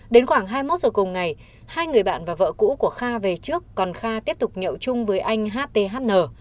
đến khoảng hai mươi một giờ cùng ngày hai người bạn và vợ cũ của kha về trước còn kha tiếp tục nhậu chung với anh hthn